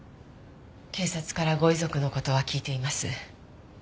警察からご遺族の事は聞いています。